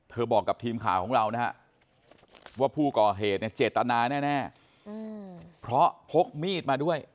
บอกกับทีมข่าวของเรานะฮะว่าผู้ก่อเหตุเนี่ยเจตนาแน่เพราะพกมีดมาด้วย